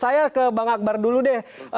saya ke bang akbar dulu deh